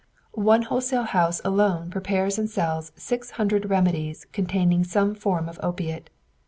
One wholesale house alone prepares and sells six hundred remedies containing some form of opiate.